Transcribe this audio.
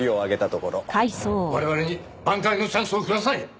我々に挽回のチャンスをください！